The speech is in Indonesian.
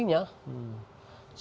jadi saya tuh ada dokumentasi